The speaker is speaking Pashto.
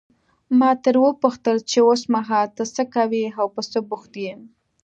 ما ترې وپوښتل چې اوسمهال ته څه کوې او په څه بوخت یې.